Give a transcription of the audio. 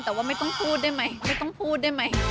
แต่ว่าไม่ต้องพูดได้ไหมไม่ต้องพูดได้ไหม